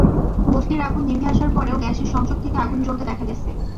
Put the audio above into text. বস্তির আগুন নিভে আসার পরেও গ্যাসের সংযোগ থেকে আগুন জ্বলতে দেখা গেছে।